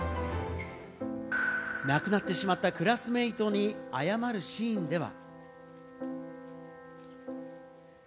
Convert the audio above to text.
亡くなってしまったクラスメートに謝るシーンでは。